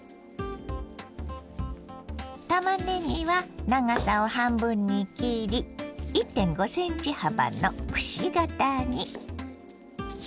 たまねぎは長さを半分に切り１．５ｃｍ幅のくし形に。